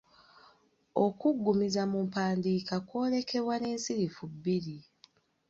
Okuggumiza mu mpandiika kwolekebwa n’ensirifu bbiri.